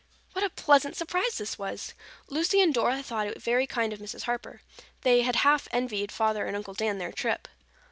What a pleasant surprise this was! Lucy and Dora thought it very kind of Mrs. Harper. They had half envied Father and Uncle Dan their trip.